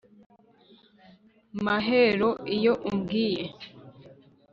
Mahero iyo umbwiye